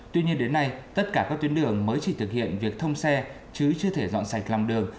tuy nhiên đến nay tất cả các tuyến đường mới chỉ thực hiện việc thông xe chứ chưa thể dọn sạch lòng đường